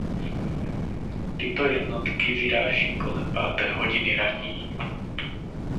Tyto jednotky vyráží kolem páté hodiny ranní.